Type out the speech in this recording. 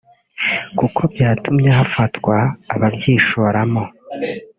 kuko byatumye hafatwa ababyishoramo